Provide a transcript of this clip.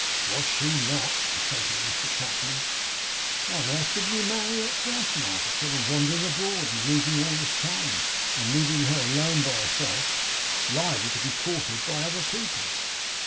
'WAS she not!' assented Mr Tapley. 'Then why on earth didn't you marry her at first, Mark, instead of wandering abroad, and losing all this time, and leaving her alone by herself, liable to be courted by other people?